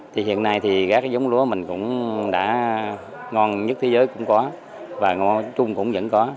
thì hiện nay thì các cái giống lúa mình cũng đã ngon nhất thế giới cũng có và ngon chung cũng vẫn có